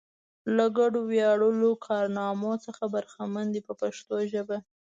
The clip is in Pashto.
له ګډو ویاړلو کارنامو څخه برخمن دي په پښتو ژبه.